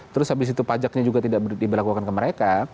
pas itu pajaknya juga tidak diberlakukan ke mereka